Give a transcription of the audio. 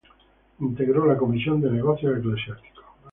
Integró la Comisión de Negocios Eclesiásticos.